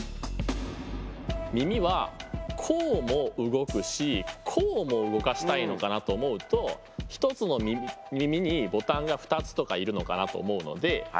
耳はこうも動くしこうも動かしたいのかなと思うと１つの耳にボタンが２つとかいるのかなと思うので。